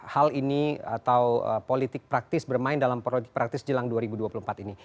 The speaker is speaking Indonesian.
hal ini atau politik praktis bermain dalam politik praktis jelang dua ribu dua puluh empat ini